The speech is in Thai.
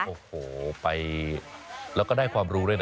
โอ้โหไปแล้วก็ได้ความรู้ด้วยนะ